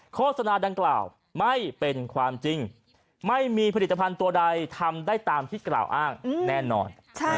โฆษณาดังกล่าวไม่เป็นความจริงไม่มีผลิตภัณฑ์ตัวใดทำได้ตามที่กล่าวอ้างแน่นอน